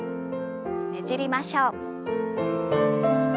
ねじりましょう。